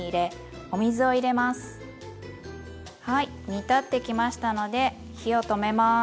煮立ってきましたので火を止めます。